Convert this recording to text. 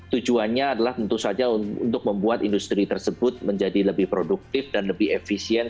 tujuannya adalah tentu saja untuk membuat industri tersebut menjadi lebih produktif dan lebih efisien